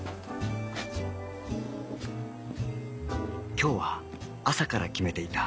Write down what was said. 今日は朝から決めていた